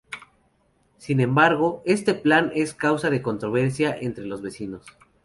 Sin embargo este plan es causa de controversia entre los vecinos.